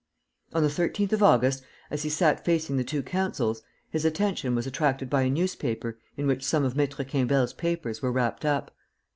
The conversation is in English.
On the 13th of August, as he sat facing the two counsels, his attention was attracted by a newspaper in which some of Maître Quimbel's papers were wrapped up.